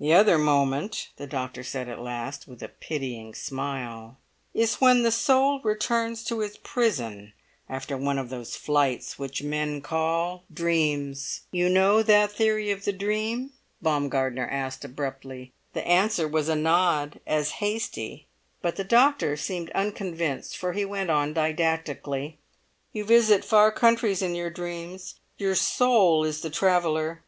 "The other moment," the doctor said at last, with a pitying smile, "is when the soul returns to its prison after one of those flights which men call dreams. You know that theory of the dream?" Baumgartner asked abruptly. The answer was a nod as hasty, but the doctor seemed unconvinced, for he went on didactically: "You visit far countries in your dreams; your soul is the traveller.